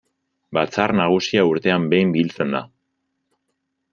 Batzar Nagusia urtean behin biltzen da.